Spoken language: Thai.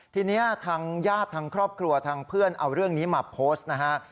ทีนี้ทางญาติทางครอบครัวทางเพื่อนเอาเรื่องนี้มาโพสต์นะฮะ